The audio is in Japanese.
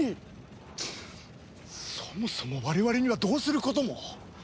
そもそも我々にはどうすることも。